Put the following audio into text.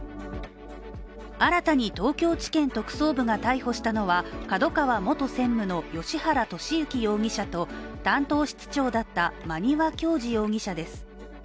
新たに東京地検特捜部が逮捕したのはＫＡＤＯＫＡＷＡ元専務の芳原世幸容疑者と担当室長だった、馬庭教二容疑者です。